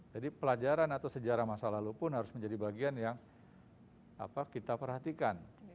jadi pelajaran atau sejarah masa lalu pun harus menjadi bagian yang kita perhatikan